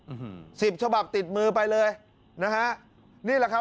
อื้อฮือสิบเฉพาะติดมือไปเลยนะฮะนี่แหละครับ